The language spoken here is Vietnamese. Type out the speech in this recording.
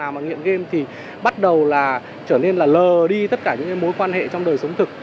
mà nghiện game thì bắt đầu là trở nên là lờ đi tất cả những mối quan hệ trong đời sống thực